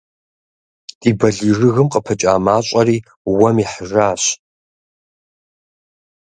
Ди балий жыгым къыпыкӏа мащӏэри уэм ихьыжащ.